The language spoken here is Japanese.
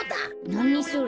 なにそれ？